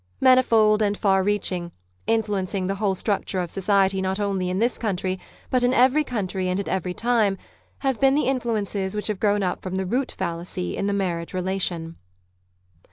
Manifold and far reaching, influencing the whole structure of society not only in this country, but in every country and at every time, have been the influences which have grown up from the root fallacy in the marriage relation.